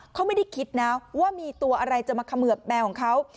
เขาไม่ได้คิดนะว่ามีตัวอะไรจะมาเขมือบแมวของเขา